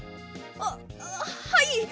あっはい！